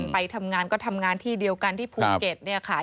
ไปทำงานก็ทำงานที่เดียวกันที่ภูเก็ตเนี่ยค่ะ